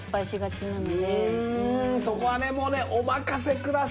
そこはねもうねお任せください。